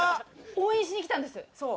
応援しに来たんです。